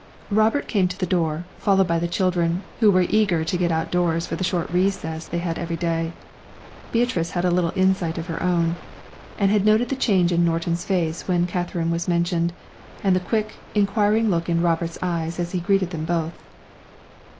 Robert came to the door, followed by the children, who were eager to get outdoors for the short recess they had every day. Beatrice had a little insight of her own, and had noted the change in Norton's face when Katherine was mentioned, and the quick, inquiring look in Robert's eyes as he greeted them both.